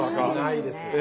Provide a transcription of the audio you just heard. ないです。